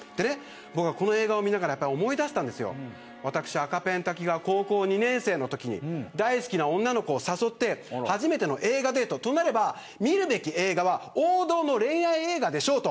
僕は、この映画を見ながら思い出したんですけど高校２年生のときに大好きな女の子を誘って初めての映画デートとなれば見るべき映画は王道の恋愛映画でしょうと。